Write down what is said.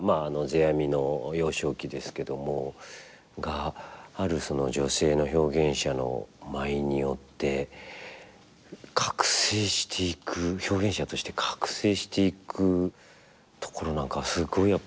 世阿弥の幼少期ですけどもがある女性の表現者の舞によって覚醒していく表現者として覚醒していくところなんかはすごいやっぱ何か感動しましたね。